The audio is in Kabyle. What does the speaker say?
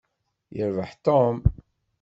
Yerbeḥ Tom.